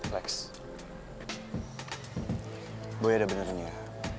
lex boy ada benernya